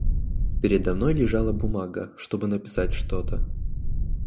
Передо мной лежала бумага, чтобы написать что-то.